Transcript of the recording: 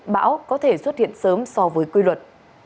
bão có thể xuất hiện sớm so với quy luật